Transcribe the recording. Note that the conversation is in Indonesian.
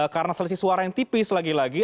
karena selisih suara yang tipis lagi lagi